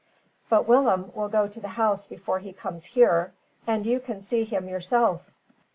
"But Willem will go to the house before he comes here, and you can see him yourself."